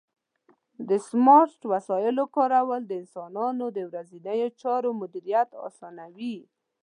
د سمارټ وسایلو کارول د انسانانو د ورځنیو چارو مدیریت اسانوي.